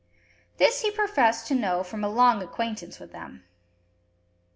This he professed to know from a long acquaintance with them.